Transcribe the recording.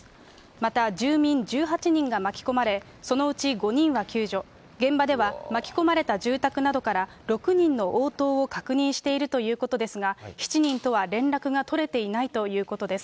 また住民１８人が巻き込まれ、そのうち５人は救助、現場では巻き込まれた住宅などから６人の応答を確認しているということですが、７人とは連絡が取れていないということです。